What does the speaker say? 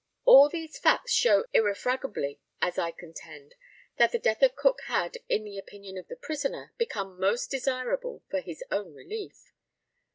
All these facts show irrefragably, as I contend, that the death of Cook had, in the opinion of the prisoner, become most desirable for his own relief.